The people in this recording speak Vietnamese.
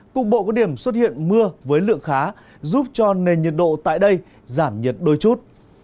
cục bộ có điểm xuất hiện mưa với lượng khá giúp cho nền nhiệt độ tại đây giảm nhiệt đôi chút